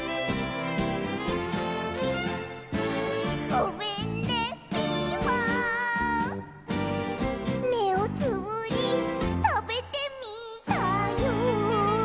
「ごめんねピーマン」「目をつぶりたべてみたよ」